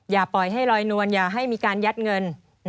อย่าปล่อยให้ลอยนวลอย่าให้มีการยัดเงิน